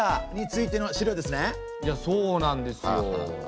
いやそうなんですよ。